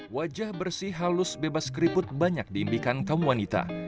wajah bersih halus bebas keriput banyak diimpikan kamu wanita